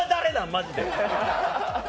マジで！